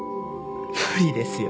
無理ですよ